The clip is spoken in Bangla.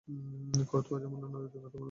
করতোয়া যমুনার দীর্ঘতম এবং বৃহত্তম উপনদী।